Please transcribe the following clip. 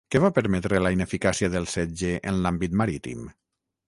Què va permetre la ineficàcia del setge en l'àmbit marítim?